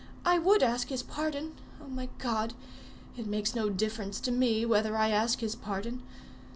I would ask his pardon. Oh, my God! It makes no difference to me whether I ask his pardon.